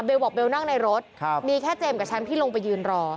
เบลบอกเปล่านั่งในรถมีแค่เจมส์กับฉันลงไปยืนรอ